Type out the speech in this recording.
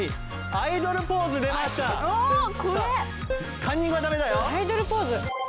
アイドルポーズ。